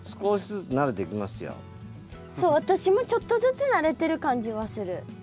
そう私もちょっとずつ慣れてる感じはする。